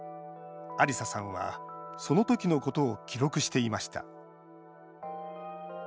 アリサさんは、その時のことを記録していました。